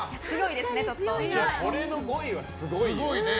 これの５位はすごいよ。